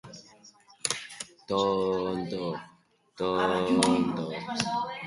Euskarazko literatura eta musika onenarekin gozatzeko aukera izango da.